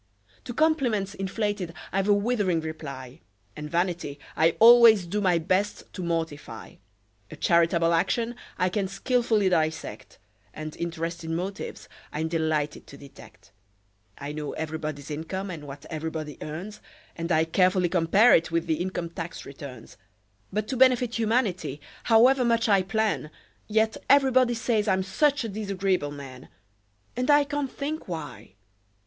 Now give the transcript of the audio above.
To compliments inflated I've a withering reply; And vanity I always do my best to mortify; A charitable action I can skilfully dissect: And interested motives I'm delighted to detect. I know everybody's income and what everybody earns, And I carefully compare it with the income tax returns; But to benefit humanity, however much I plan, Yet everybody says I'm such a disagreeable man! And I can't think why!